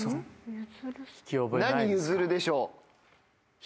何譲でしょう？